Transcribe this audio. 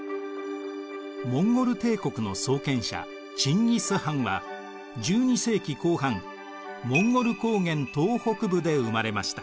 モンゴル帝国の創建者チンギス・ハンは１２世紀後半モンゴル高原東北部で生まれました。